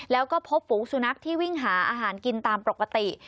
แล้วก็พบฝูงสุนัขที่วิ่งหาอาหารกินตามปกติ